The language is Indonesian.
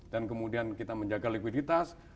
dan kemudian kita menjaga likuiditas